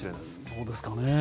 どうですかね。